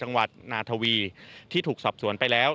จังหวัดนาทวีที่ถูกสอบสวนไปแล้ว